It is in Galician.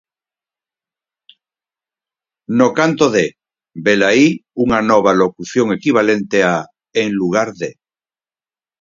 No canto de, velaí unha nova locución equivalente a 'en lugar de'.